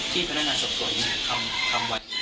พนักงานสอบสวนทำไว้